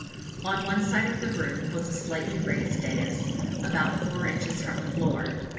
On one side of the room was a slightly raised daïs, about four inches from the floor.